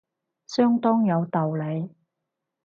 相當有道理